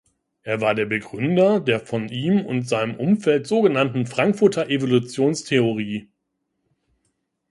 Er war der Begründer der von ihm und seinem Umfeld so genannten Frankfurter Evolutionstheorie.